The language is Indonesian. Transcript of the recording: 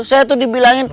saya tuh dibilangin